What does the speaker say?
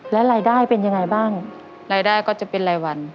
แล้วรายได้เป็นยังไงบ้างรายได้ก็จะเป็นรายวัน